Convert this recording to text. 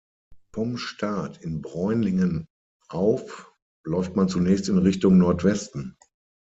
Vom Start in Bräunlingen auf läuft man zunächst in Richtung Nordwesten.